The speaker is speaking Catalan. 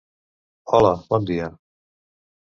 Hola, bon dia!